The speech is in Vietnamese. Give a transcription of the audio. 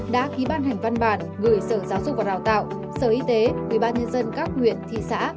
đã ký ban hành văn bản gửi sở giáo dục và đào tạo sở y tế ubnd các huyện thị xã